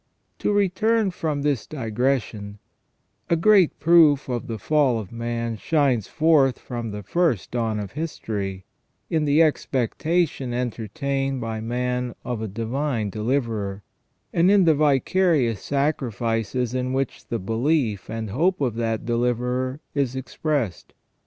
To return from this digression, a great proof of the fall of man shines forth from the first dawn of history, in the expectation entertained by man of a Divine Deliverer, and in the vicarious sacrifices in which the belief and hope of that Deliverer is expressed.